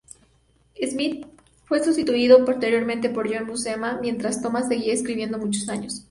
Smith fue sustituido posteriormente por John Buscema, mientras Thomas siguió escribiendo muchos años.